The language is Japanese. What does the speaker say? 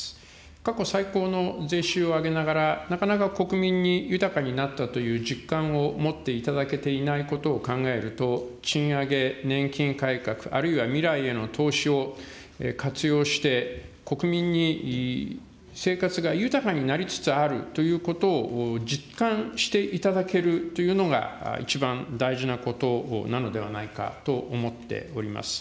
過去最高の税収を上げながら、なかなか国民に豊かになったという実感を持っていただけていないことを考えると、賃上げ、年金改革、あるいは未来への投資を活用して、国民に生活が豊かになりつつあるということを実感していただけるというのが、一番大事なことなのではないかと思っております。